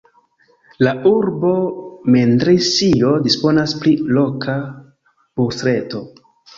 La urbo Mendrisio disponas pri loka busreto.